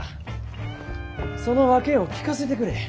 その訳を聞かせてくれ。